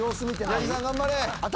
八木さん頑張れ！